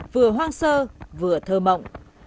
vừa hoang sơ vừa thơ mộng